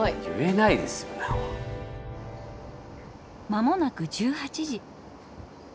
間もなく１８時。